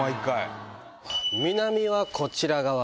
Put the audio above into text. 南はこちら側。